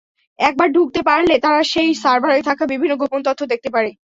একবার ঢুকতে পারলে তারা সেই সার্ভারে থাকা বিভিন্ন গোপন তথ্য দেখতে পারে।